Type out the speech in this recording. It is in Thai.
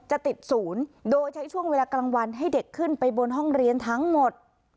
จะติดศูนย์โดยใช้ช่วงเวลากลางวันให้เด็กขึ้นไปบนห้องเรียนทั้งหมด